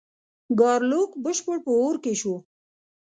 ګارلوک بشپړ په اور کې شو.